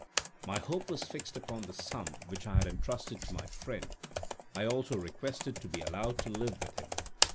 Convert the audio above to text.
My hope was fixed upon the sum which I had entrusted to my friend. I also requested to be allowed to live with him.